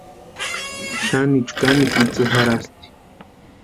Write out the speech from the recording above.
Xanichu kanikwa itsï jarhasti.